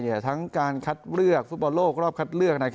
ทั้งการคัดเลือกฟุตบอลโลกรอบคัดเลือก